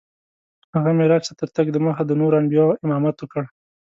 هغه معراج ته تر تګ دمخه د نورو انبیاوو امامت وکړ.